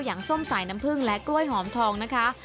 ส้มสายน้ำผึ้งและกล้วยหอมทองนะคะ